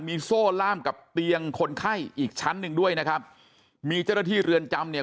มีโซ่ล่ามกับเตียงคนไข้อีกชั้นหนึ่งด้วยนะครับมีเจ้าหน้าที่เรือนจำเนี่ย